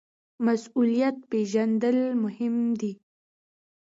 مسوولیت پیژندل مهم دي